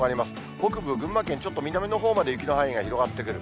北部、群馬県、ちょっと南のほうまで雪の範囲が広がってくる。